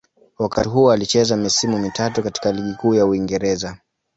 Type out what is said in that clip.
Wakati huu alicheza misimu mitatu katika Ligi Kuu ya Uingereza.